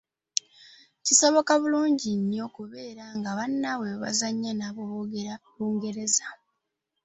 Kisoboka bulungi nnyo okubeera nga bannaabwe be bazannya nabo boogera Lungereza.